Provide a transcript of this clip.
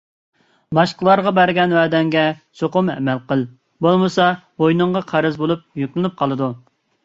باشقىلارغا بەرگەن ۋەدەڭگە چوقۇم ئەمەل قىل. بولمىسا بوينۇڭغا قەرز بولۇپ يۈكلىنىپ قالىدۇ.